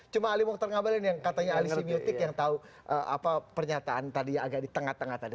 cuma ali mokhtar ngabalin yang katanya ali simutik yang tahu apa pernyataan tadi yang agak di tengah tengah tadi